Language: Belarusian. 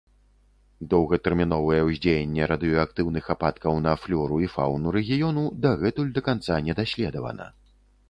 Доўгатэрміновае ўздзеянне радыеактыўных ападкаў на флёру і фаўну рэгіёну дагэтуль да канца не даследавана.